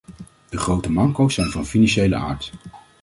De grote manco's zijn van financiële aard.